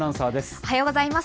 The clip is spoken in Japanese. おはようございます。